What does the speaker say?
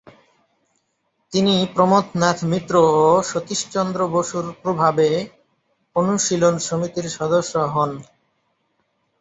তিনি প্রমথনাথ মিত্র ও সতীশচন্দ্র বসুর প্রভাবে অনুশীলন সমিতির সদস্য হন।